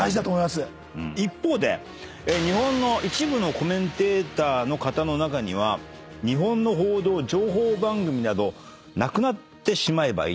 一方で日本の一部のコメンテーターの方の中には日本の報道情報番組などなくなってしまえばいいと。